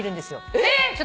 えっ！？